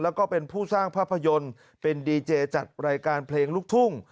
แล้วก็เป็นผู้สร้างภาพยนตร์เป็นดีเจจัดรายการเพลงลูกทุ่ง